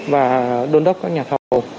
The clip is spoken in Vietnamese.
và đôn đốc các nhà thầu